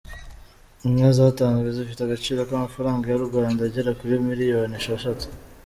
Inka zatanzwe zifite agaciro k’amafaranga y’u Rwanda agera kuri miliyoni esheshatu.